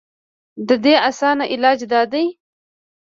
د دې اسان علاج دا دے